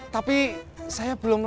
tapi saya belum lari